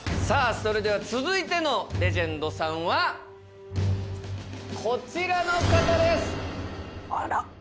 さあ、それでは続いてのレジェンドさんは、こちらの方です。